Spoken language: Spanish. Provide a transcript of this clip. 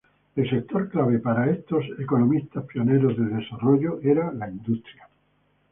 El sector clave para estos economistas pioneros del desarrollo era la industria.